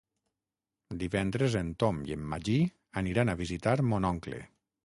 Divendres en Tom i en Magí aniran a visitar mon oncle.